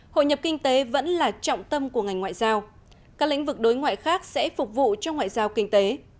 hội nhập kinh tế vẫn là trọng tâm của ngành ngoại giao các lĩnh vực đối ngoại khác sẽ phục vụ cho ngoại giao kinh tế